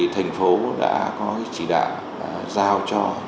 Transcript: thành phố đã có chỉ đạo giao cho